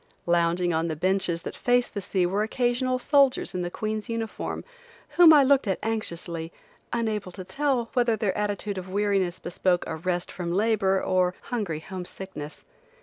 Lounging on the benches that face the sea were occasional soldiers in the Queen's uniform, whom I looked at anxiously, unable to tell whether their attitude of weariness bespoke a rest from labor or hungry home sickness.